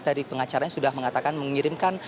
dari pengacaranya sudah mengatakan mengirimkan